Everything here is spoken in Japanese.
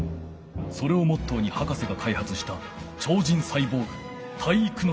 それをモットーに博士がかいはつした超人サイボーグ体育ノ介。